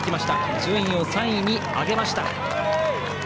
順位を３位に上げました。